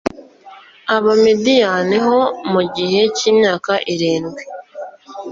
abamidiyani h mu gihe cy imyaka irindwi